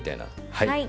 はい。